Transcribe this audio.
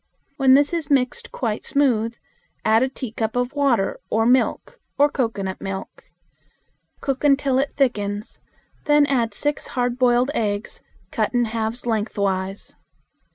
When this is mixed quite smooth, add a teacup of water or milk or cocoanut milk. Cook until it thickens, then add six hard boiled eggs. Cut in halves lengthwise.